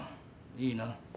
いいな？